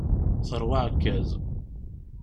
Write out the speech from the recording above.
Terwa aɛekkaz.